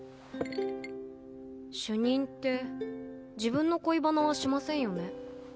主任って自分の恋バナはしませんよね。